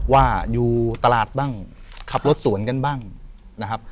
ว่าอยู่ตลาดบ้างขับรถสวนกันบ้างนะครับ